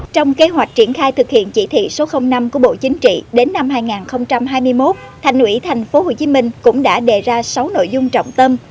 trong kế hoạch triển khai thực hiện chỉ thị số năm của bộ chính trị đến năm hai nghìn hai mươi một thành ủy tp hcm cũng đã đề ra sáu nội dung trọng tâm